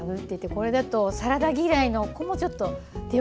これだとサラダ嫌いの子もちょっと手を出すし。